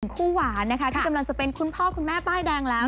คู่หวานนะคะที่กำลังจะเป็นคุณพ่อคุณแม่ป้ายแดงแล้ว